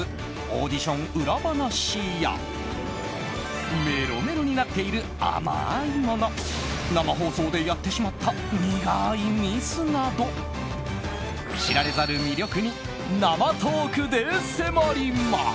オーディション裏話やメロメロになっている甘いもの生放送でやってしまった苦いミスなど知られざる魅力に生トークで迫ります。